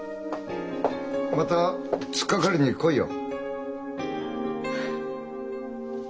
また突っかかりに来いよ。